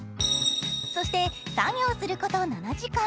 そして作業すること７時間。